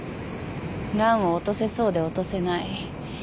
ランを落とせそうで落とせない。